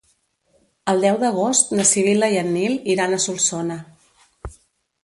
El deu d'agost na Sibil·la i en Nil iran a Solsona.